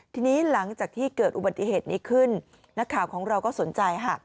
ทีนี้หลังจากที่เกิดอุบัติเหตุนี้ขึ้นนักข่าวของเราก็สนใจค่ะ